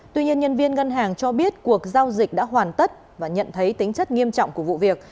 tuy nhiên nhân viên ngân hàng cho biết cuộc giao dịch đã hoàn tất và nhận thấy tính chất nghiêm trọng của vụ việc